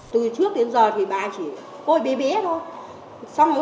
từ trước đến giờ thì bà chỉ côi bé bé thôi